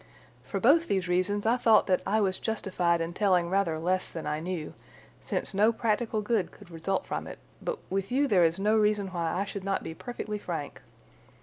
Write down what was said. For both these reasons I thought that I was justified in telling rather less than I knew, since no practical good could result from it, but with you there is no reason why I should not be perfectly frank.